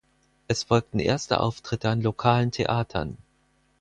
Es folgten erste Auftritte an lokalen Theatern.